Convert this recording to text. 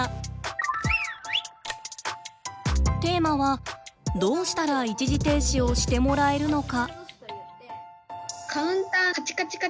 テーマはどうしたら一時停止をしてもらえるのか。